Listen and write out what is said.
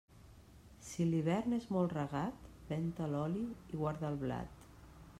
Si l'hivern és molt regat, ven-te l'oli i guarda el blat.